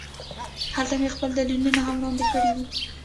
هلته مې خپل دلیلونه هم وړاندې کړي وو